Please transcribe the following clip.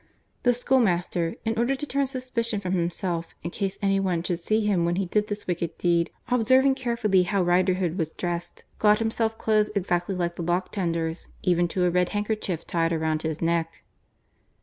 The schoolmaster, in order to turn suspicion from himself in case any one should see him when he did this wicked deed, observing carefully how Riderhood was dressed, got himself clothes exactly like the lock tender's, even to a red handkerchief tied around his neck.